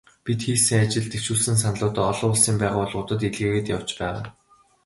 Бид хийсэн ажил, дэвшүүлсэн саналуудаа олон улсын байгууллагуудад илгээгээд явж байгаа.